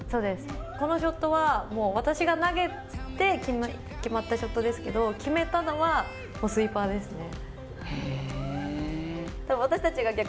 このショットは私が投げて決まったショットですけど決めたのはスイーパーですね。